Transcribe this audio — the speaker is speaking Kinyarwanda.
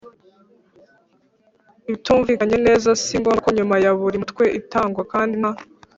ibitumvikanye neza. Si ngombwa ko nyuma ya buri mutwe itangwa kandi nta